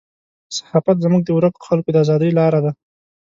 صحافت زموږ د ورکو خلکو د ازادۍ لاره ده.